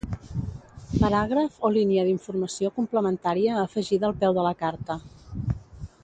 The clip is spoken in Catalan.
Paràgraf o línia d'informació complementària afegida al peu de la carta.